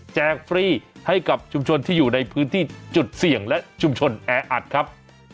ฟรีให้กับชุมชนที่อยู่ในพื้นที่จุดเสี่ยงและชุมชนแออัดครับ